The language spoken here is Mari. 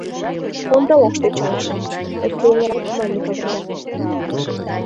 Ондалаш тӧча эше, — ӧпкеленрак мане Кавырля.